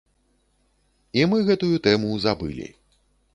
І мы гэтую тэму забылі.